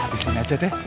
di sini aja dek